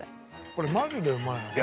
これマジでうまいね。